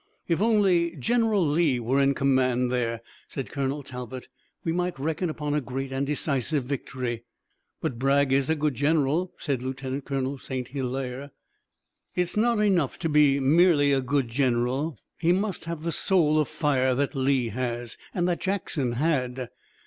"If only General Lee were in command there," said Colonel Talbot, "we might reckon upon a great and decisive victory." "But Bragg is a good general," said Lieutenant Colonel St. Hilaire. "It's not enough to be merely a good general. He must have the soul of fire that Lee has, and that Jackson had.